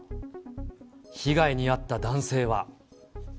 被害に遭った男性は。